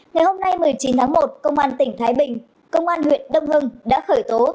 ngày hôm nay một mươi chín tháng một công an tỉnh thái bình công an huyện đông hưng đã khởi tố